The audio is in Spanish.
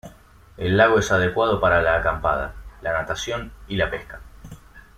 El lago es adecuado para la acampada, la natación y la pesca.